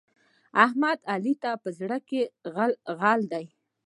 احمد؛ علي ته په زړه کې غل دی.